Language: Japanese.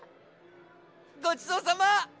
ごちそうさま！